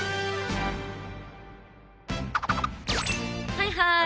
はいはーい